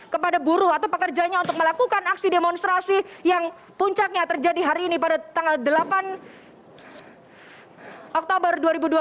kepada buruh atau pekerjanya untuk melakukan aksi demonstrasi yang puncaknya terjadi hari ini pada tanggal delapan oktober dua ribu dua puluh